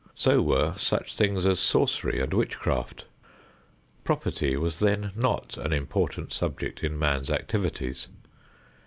So were such things as sorcery and witchcraft. Property was then not an important subject in man's activities.